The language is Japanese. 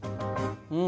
うん。